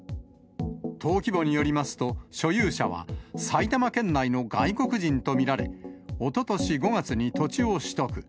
登記簿によりますと、所有者は埼玉県内の外国人と見られ、おととし５月に土地を取得。